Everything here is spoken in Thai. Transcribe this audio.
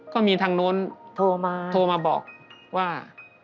ก็มีทางโน้นโทรมาบอกว่าโทรมา